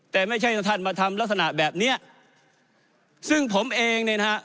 แต่ไม่ใช่ท่านมาทำลักษณะแบบเนี้ยซึ่งผมเองเนี่ยนะฮะ